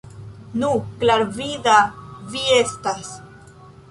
Nu, klarvida vi estas!